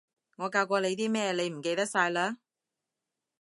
我教過你啲咩，你唔記得晒嘞？